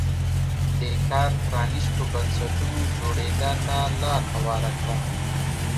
دې کار پرانیستو بنسټونو جوړېدا ته لار هواره کړه.